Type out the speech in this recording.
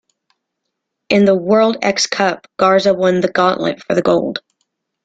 In the World X Cup, Garza won the Gauntlet for the Gold.